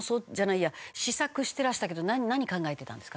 「思索してらしたけど何考えてたんですか？